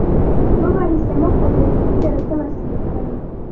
bo bahisemo kohereza igitero cy’abasirikare